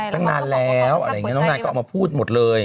ตั้งนานแล้วอะไรอย่างนี้น้องนายก็ออกมาพูดหมดเลย